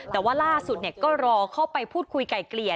แต่ว่าล่าสุดก็รอเข้าไปพูดคุยไก่เกลี่ย